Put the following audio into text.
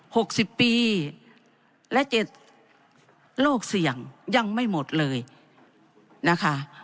หกสิบปีและเจ็ดโรคเสี่ยงยังไม่หมดเลยนะคะ